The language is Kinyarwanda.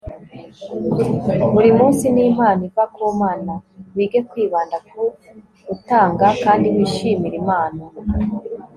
buri munsi ni impano iva ku mana. wige kwibanda ku utanga kandi wishimire impano